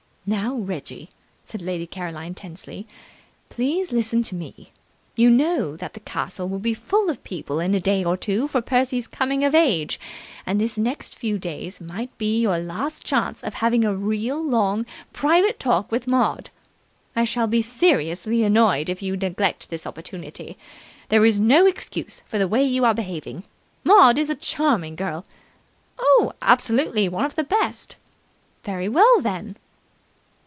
"Now, Reggie," said Lady Caroline tensely, "please listen to me. You know that the castle will be full of people in a day or two for Percy's coming of age, and this next few days may be your last chance of having a real, long, private talk with Maud. I shall be seriously annoyed if you neglect this opportunity. There is no excuse for the way you are behaving. Maud is a charming girl " "Oh, absolutely! One of the best." "Very well, then!"